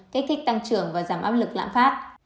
kích thích tăng trưởng và giảm áp lực lạm phát